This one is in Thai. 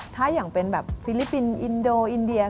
ถ้าอย่างเป็นแบบฟิลิปปินส์อินโดอินเดีย